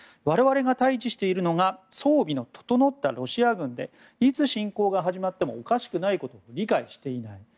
我々が対峙しているのが装備の整ったロシア軍でいつ侵攻が始まってもおかしくないことを理解していない。